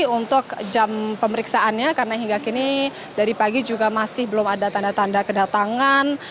untuk jam pemeriksaannya karena hingga kini dari pagi juga masih belum ada tanda tanda kedatangan